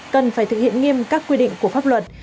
cần phải thực hiện nghiêm các quy định của pháp luật